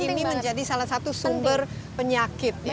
karena ini menjadi salah satu sumber penyakit ya